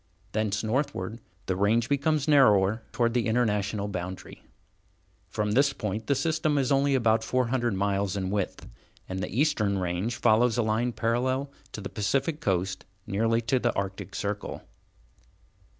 Thence northward, the range becomes narrower toward the International boundary. From this point the system is only about four hundred miles in width, and the eastern range follows a line parallel to the Pacific Coast, nearly to the Arctic Circle.